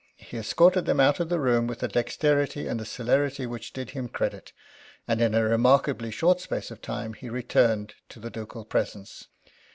He escorted them out of the room with a dexterity and a celerity which did him credit, and in a remarkably short space of time he returned to the ducal presence.